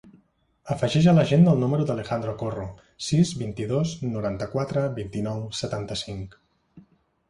Afegeix a l'agenda el número de l'Alejandro Corro: sis, vint-i-dos, noranta-quatre, vint-i-nou, setanta-cinc.